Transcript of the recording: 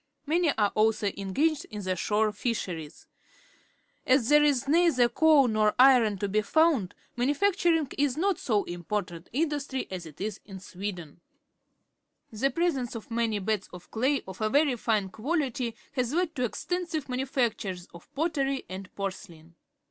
Man}' are also engaged in the shore fisherie s. As there is neit; her^oal nor iron to Le found, manufacturing is not The Harbour of Copenhagen, Denmark SO important an industry as it is in Sweden. The presence of many beds of clay of a very fine qualitj' has led to extensive manufactures of pottery and porcelain.